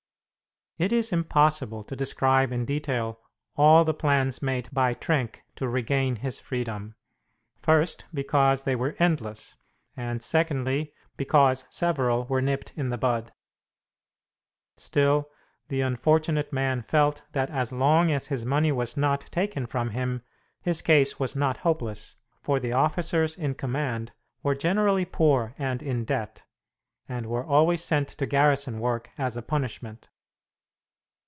It is impossible to describe in detail all the plans made by Trenck to regain his freedom; first because they were endless, and secondly because several were nipped in the bud. Still, the unfortunate man felt that as long as his money was not taken from him his case was not hopeless, for the officers in command were generally poor and in debt, and were always sent to garrison work as a punishment.